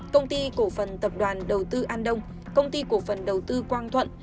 công ty cổ phần tập đoàn đầu tư an đông công ty cổ phần đầu tư quang thuận